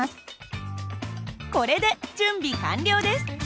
これで準備完了です。